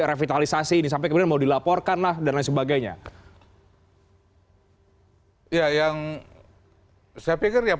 revitalisasi ini sampai kemudian mau dilaporkan lah dan lain sebagainya ya yang saya pikir ya